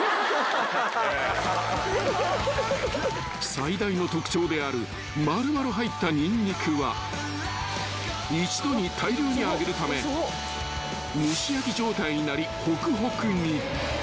［最大の特徴である丸々入ったニンニクは一度に大量に揚げるため蒸し焼き状態になりほくほくに］